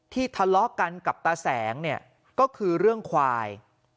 ทะเลาะกันกับตาแสงเนี่ยก็คือเรื่องควาย